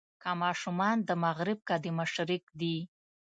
که ماشومان د مغرب که د مشرق دي.